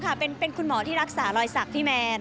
ค่ะเป็นคุณหมอที่รักษารอยสักพี่แมน